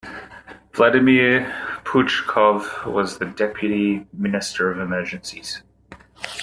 Vladimir Puchkov was the Deputy Minister of Emergencies.